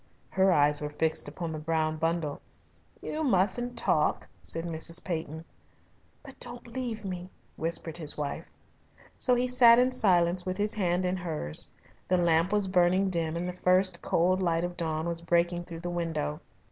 Her eyes were fixed upon the brown bundle. "You mustn't talk," said Mrs. Peyton. "But don't leave me," whispered his wife. So he sat in silence with his hand in hers. The lamp was burning dim and the first cold light of dawn was breaking through the window.